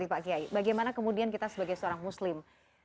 bagaimana kita sebagai seorang muslim